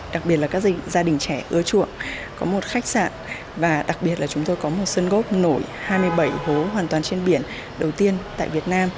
đặc biệt là các gia đình trẻ ưa chuộng có một khách sạn và đặc biệt là chúng tôi có một sân gốc nổi hai mươi bảy hố hoàn toàn trên biển đầu tiên tại việt nam